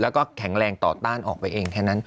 แล้วก็แข็งแรงต่อต้านออกไปเองแค่นั้น